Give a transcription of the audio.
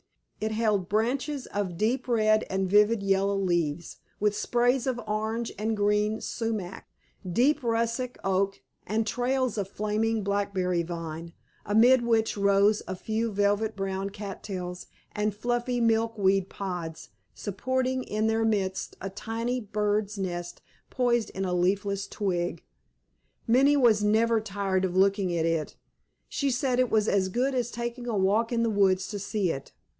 It held branches of deep red and vivid yellow leaves, with sprays of orange and green sumach, deep russet oak and trails of flaming blackberry vine, amid which rose a few velvet brown cat tails and fluffy milk weed pods, supporting in their midst a tiny bird's nest poised in a leafless twig. Minnie was never tired of looking at it. She said it was as good as taking a walk in the woods to see it.